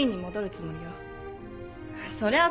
そりゃあ